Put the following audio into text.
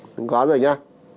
chúng ta có rồi nha